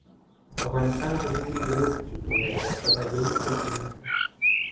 افغانستان سے زندگی روٹھ چکی کیا فتح یہی ہو تی ہے؟